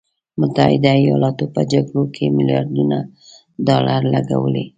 متحده ایالاتو په جګړو کې میلیارډونه ډالر لګولي.